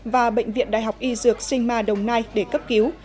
và bệnh viện đại học y dược sinh ma đồng nai để cấp cứu